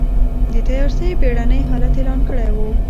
د تيارسۍ بېړنی حالت اعلان کړی و.